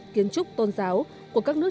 kiến trúc tôn giáo của các nước